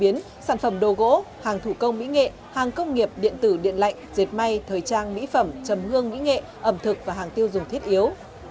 thực phẩm chế biến sản phẩm đồ gỗ hàng thủ công mỹ nghệ hàng công nghiệp điện tử điện lạnh diệt may thời trang mỹ phẩm chầm hương mỹ nghệ ẩm thực và hàng tiêu dùng thiết yếu